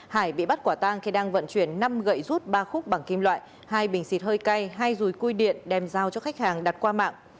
hải bị bắt quả tang khi đang vận chuyển năm gậy rút ba khúc bằng kim loại hai bình xịt hơi cay hai rùi cui điện đem giao cho khách hàng đặt qua mạng